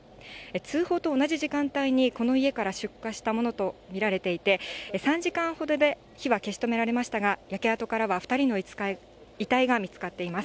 通報と同じ時間帯に、この家から出火したものと見られていて、３時間ほどで火は消し止められましたが、焼け跡からは２人の遺体が見つかっています。